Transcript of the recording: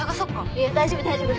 いや大丈夫大丈夫。